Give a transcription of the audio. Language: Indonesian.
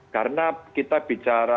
karena kita bisa mengatakan